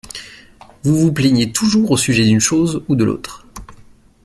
Vous vous plaignez toujours au sujet d’une chose ou l’autre.